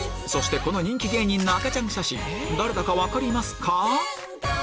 そしてこの人気芸人の赤ちゃん写真誰だか分かりますか？